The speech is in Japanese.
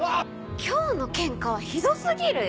今日のケンカはひど過ぎるよ。